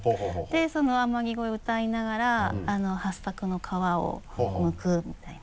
で「天城越え」を歌いながらハッサクの皮を剥くみたいな。